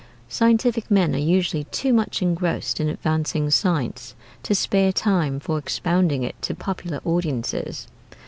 Scientific men are usually too much engrossed in advancing science to spare time for expounding it to popular audiences.